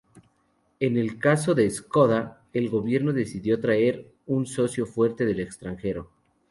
En el caso de Škoda el gobierno decidió traer un socio fuerte del extranjero.